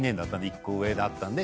１個上だったんで。